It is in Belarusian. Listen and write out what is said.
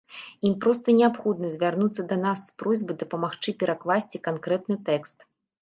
Ім проста неабходна звярнуцца да нас з просьбай дапамагчы перакласці канкрэтны тэкст.